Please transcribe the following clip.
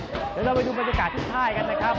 เดี๋ยวเราไปดูบรรยากาศที่ค่ายกันนะครับ